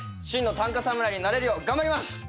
真の短歌侍になれるよう頑張ります！